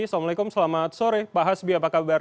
assalamualaikum selamat sore pak hasbi apa kabar